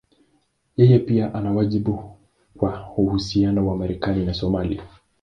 Yeye pia ana wajibu kwa uhusiano wa Marekani na Somalia.